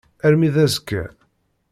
Armi d azekka.